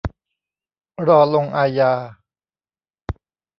รอลงอาญา